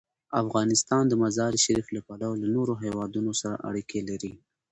افغانستان د مزارشریف له پلوه له نورو هېوادونو سره اړیکې لري.